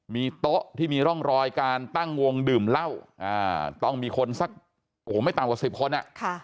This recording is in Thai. มีโต๊ะที่มีร่องรอยการตั้งวงดื่มเหล้าต้องมีคนสักโอ้โหไม่ต่ำกว่า๑๐คน